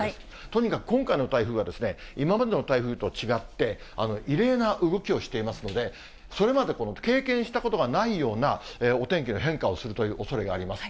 とにかく今回の台風は今までの台風と違って、異例な動きをしていますので、それまで経験したことがないようなお天気の変化をするというおそれがあります。